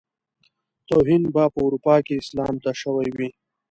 توهين به په اروپا کې اسلام ته شوی وي.